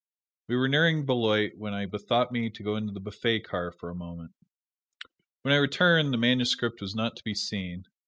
We were nearing Beloit when I bethought me to go into the Buffet Car for a moment. When I returned the manuscript was not to be seen.